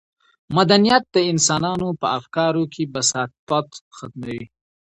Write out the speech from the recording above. مدنیت د انسانانو په افکارو کې بساطت ختموي.